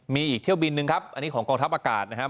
มีอีกเที่ยวบินนึงครับอันนี้ของกองทัพอากาศนะครับ